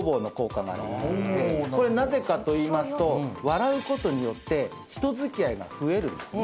これなぜかといいますと笑うことによって人づきあいが増えるんですね